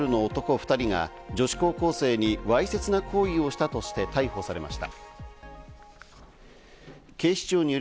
２人が、女子高校生にわいせつな行為をしたとして逮捕されました。